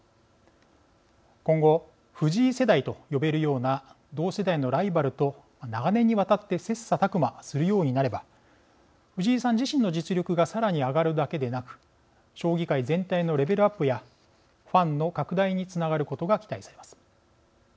今後、藤井世代と呼べるような同世代のライバルと長年にわたって切磋琢磨するようになれば藤井さん自身の実力がさらに上がるだけでなく将棋界全体のレベルアップやファンの拡大につながることが期待されます。